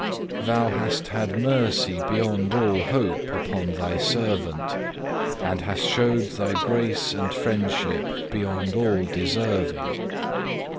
Thou hast had mercy beyond all hope upon Thy servant, and hast showed Thy grace and friendship beyond all deserving.